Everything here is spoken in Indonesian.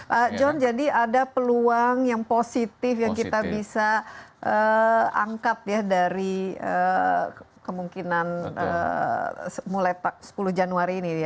pak john jadi ada peluang yang positif yang kita bisa angkat ya dari kemungkinan mulai sepuluh januari ini